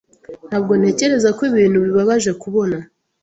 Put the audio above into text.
Ntabwo ntekereza ko ibintu bibabaje kubona